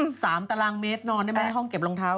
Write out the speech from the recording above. ขอไปแบ่งสัก๓ตารางเมตรนอนได้ไหมห้องเก็บรองเท้า